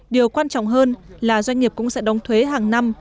điều quan trọng hơn là doanh nghiệp cũng sẽ đóng thuế hàng năm